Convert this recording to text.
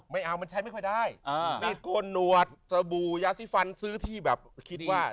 มันใช้ไม่ค่อยได้อ่านวดสบู่ยาสิฟันซื้อที่แบบคิดว่า